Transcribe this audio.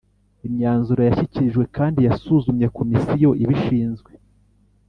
Imyanzuro yashyikirijwe kandi yasuzumye Komisiyo ibishinzwe